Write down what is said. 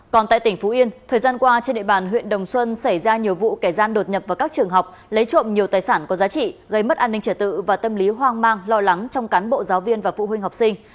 còn tại tỉnh phú yên thời gian qua trên địa bàn huyện đồng xuân xảy ra nhiều vụ kẻ gian đột nhập vào các trường học lấy trộm nhiều tài sản có giá trị gây mất an ninh trở tự và tâm lý hoang mang lo lắng trong cán bộ giáo viên và phụ huynh học sinh